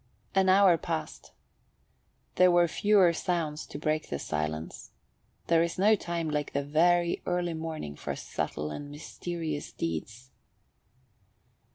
An hour passed. There were fewer sounds to break the silence. There is no time like the very early morning for subtle and mysterious deeds.